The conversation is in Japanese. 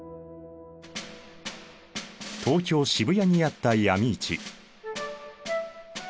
東京・渋谷にあった闇市。